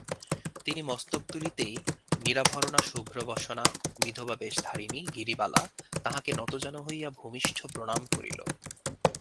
তিনি মস্তক তুলিতেই নিরাভরণা শুভ্রবসনা বিধবাবেশধারিণী গিরিবালা তাঁহাকে নতজানু হইয়া ভূমিষ্ঠ প্রণাম করিল।